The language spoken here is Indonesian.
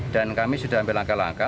dan kami sudah ambil langkah langkah